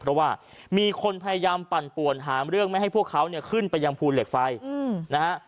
เพราะว่ามีคนพยายามปั่นป่วนหาเรื่องไม่ให้พวกเขาเนี่ยขึ้นไปยังภูเหล็กไฟนะฮะ